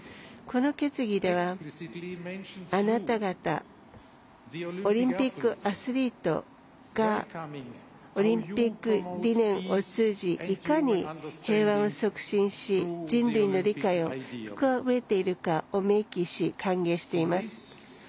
この決議では、あなた方オリンピックアスリートがオリンピック理念を通じいかに平和を促進し人類の理解を深めているかを明記し、歓迎しています。